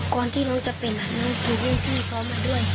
ก่อนที่น้องจะเป็นอ่ะน้องถูกร่วมพี่ซ้อมมาด้วย